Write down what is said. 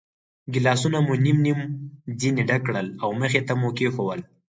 ګیلاسونه مو نیم نیم ځنې ډک کړل او مخې ته مو کېښوول.